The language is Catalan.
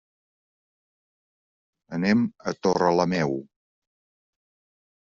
Anem a Torrelameu.